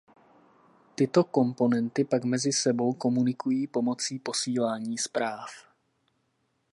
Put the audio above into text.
Tyto komponenty pak mezi sebou komunikují pomocí posílání zpráv.